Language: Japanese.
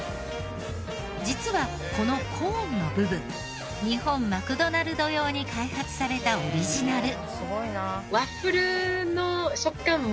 実はこのコーンの部分日本マクドナルド用に開発されたオリジナル。